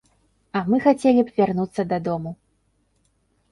А мы хацелі б вярнуцца дадому.